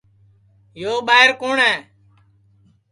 یو ٻائیر کُوٹؔ ہے